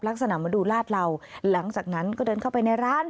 มาดูลาดเหล่าหลังจากนั้นก็เดินเข้าไปในร้าน